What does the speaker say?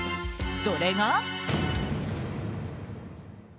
それが。